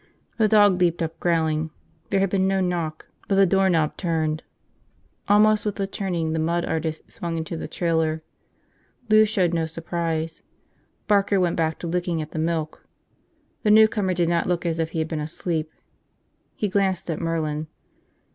The dog leaped up, growling. There had been no knock but the doorknob turned. Almost with the turning the mud artist swung into the trailer. Lou showed no surprise. Barker went back to licking at the milk. The newcomer did not look as if he had been asleep. He glanced at Merlin.